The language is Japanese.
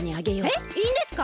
えっいいんですか！？